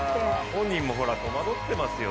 本人も戸惑ってますよ。